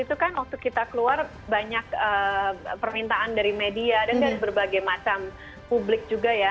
itu kan waktu kita keluar banyak permintaan dari media dan dari berbagai macam publik juga ya